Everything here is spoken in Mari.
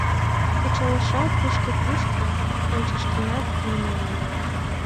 Кычалашат, тышке-тушко ончышташат нимолан.